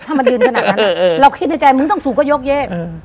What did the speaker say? ถ้ามันยืนขนาดนั้นเราคิดในใจมึงต้องสูบก็ยกเยอะ